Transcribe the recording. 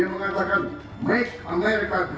dia mengatakan the important thing is american jobs